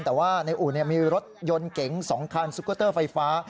แต่ว่าในอู่มีรถยนต์เก๋ง๒คันซุกเตอร์ไฟฟ้า